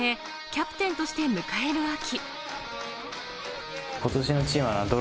キャプテンとして迎える秋。